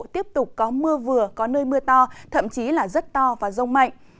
tiếp tục có mưa vừa có nơi mưa to thậm chí là rất to và rông mạnh